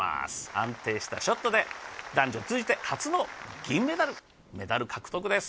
安定したショットで男女通じて初のメダル獲得です。